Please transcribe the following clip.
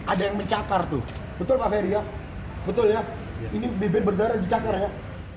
ada yang mencakar tuh betul pak ferry ya betul ya ini bibir berdarah dicakar ya